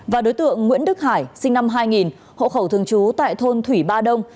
và đối tượng nguyễn đức hải sinh năm hai nghìn hộ khẩu thường trú tại thôn thủy ba đông